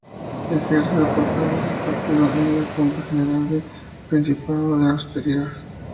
Ejerce de portavoz del partido en la Junta General del Principado de Asturias.